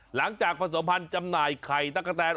หลังจากผสมพันธ์จำหน่ายไข่ตะกะแตน